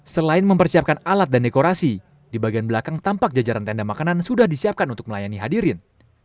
selain mempersiapkan alat dan dekorasi di bagian belakang tampak jajaran tenda makanan sudah disiapkan untuk melayani hadirin